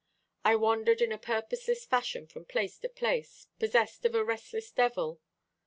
I wandered in a purposeless fashion from place to place, possessed of a restless devil.